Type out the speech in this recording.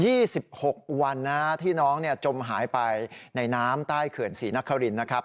สิบหกวันนะฮะที่น้องเนี่ยจมหายไปในน้ำใต้เขื่อนศรีนครินนะครับ